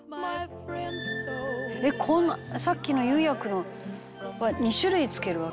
「えっこんなさっきの釉薬は２種類つけるわけですか？」